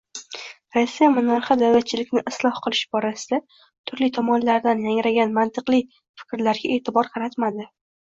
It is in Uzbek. Rossiya monarxi davlatchilikni isloh qilish borasida turli tomondan yangragan mantiqli fikrlarga e’tibor qaratmadi